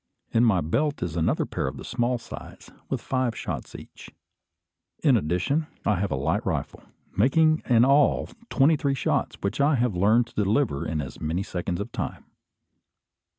In my belt is another pair of the small size, with five shots each. In addition, I have a light rifle, making in all twenty three shots, which I have learned to deliver in as many seconds of time.